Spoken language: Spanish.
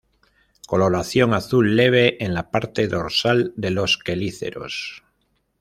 Coloración azul leve en la parte dorsal de los quelíceros.